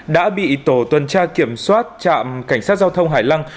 đã bị tổ tuần tra kiểm soát trạm cảnh sát giao thông hải lăng